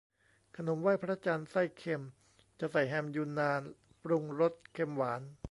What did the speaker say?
ขนมไหว้พระจันทร์ไส้เค็ม จะใส่แฮมยูนนาน ปรุงรสเค็มหวาน